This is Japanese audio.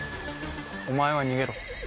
お前は逃げろ。